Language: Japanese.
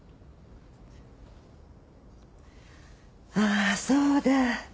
あそうだ。